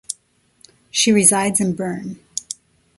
She resides in Berne.